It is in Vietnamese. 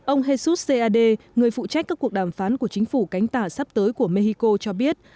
ông jesus c a d người phụ trách các cuộc đàm phán của chính phủ cánh tả sắp tới của mexico cho biết